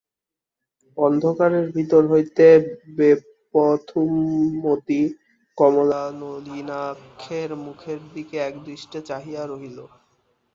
অন্ধকারের ভিতর হইতে বেপথুমতী কমলা নলিনাক্ষের মুখের দিকে একদৃষ্টে চাহিয়া রহিল।